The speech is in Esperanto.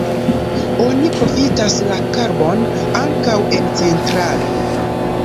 Oni profitas la karbon ankaŭ en centralo.